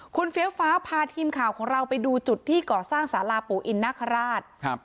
คุณเฟี้ยวฟ้าพาทีมข่าวของเราไปดูจุดที่ก่อสร้างสาราปู่อินนาคาราชครับ